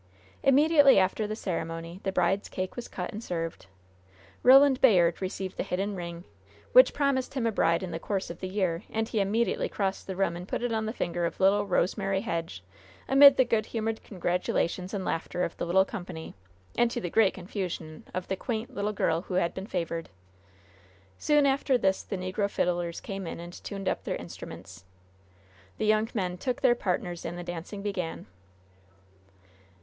Immediately after the ceremony the bride's cake was cut and served. Roland Bayard received the hidden ring, which promised him a bride in the course of the year, and he immediately crossed the room and put it on the finger of little Rosemary Hedge, amid the good humored congratulations and laughter of the little company, and to the great confusion of the quaint, little girl who had been favored. Soon after this the negro fiddlers came in and tuned up their instruments. The young men took their partners and the dancing began.